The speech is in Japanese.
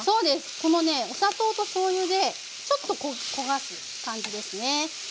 このねお砂糖としょうゆでちょっと焦がす感じですね。